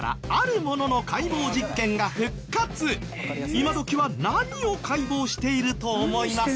今どきは何を解剖していると思います？